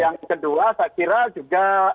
yang kedua saya kira juga